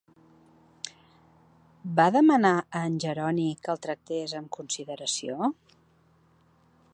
Va demanar a en Jeroni que el tractés amb consideració?